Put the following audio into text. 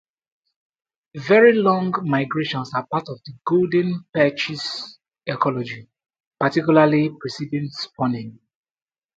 Very long migrations are part of the golden perch's ecology, particularly preceding spawning.